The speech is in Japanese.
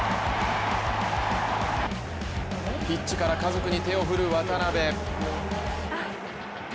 ピッチから家族に手を振る渡辺。